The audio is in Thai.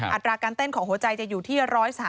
อัตราการเต้นของหัวใจจะอยู่ที่๑๓